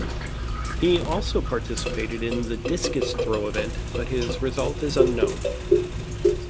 He also participated in the discus throw event but his result is unknown.